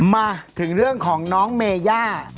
มาถึงเรื่องของน้องเมย่า